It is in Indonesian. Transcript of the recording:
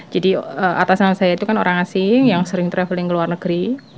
jadi atas nama saya itu kan orang asing yang sering traveling ke luar negeri